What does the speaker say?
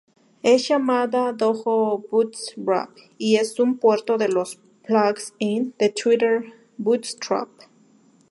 Es llamada Dojo Bootstrap y es un puerto de los plug-ins de Twitter Bootstrap.